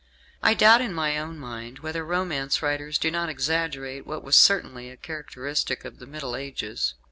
I doubt in my own mind whether romance writers do not exaggerate what was certainly a characteristic of the Middle Ages.